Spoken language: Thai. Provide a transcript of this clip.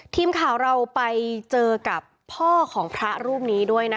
ทีมข่าวเราไปเจอกับพ่อของพระรูปนี้ด้วยนะคะ